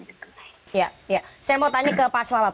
ya saya mau tanya ke pak selamat